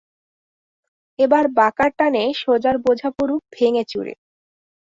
এবার বাঁকার টানে সোজার বোঝা পড়ুক ভেঙে-চুরে।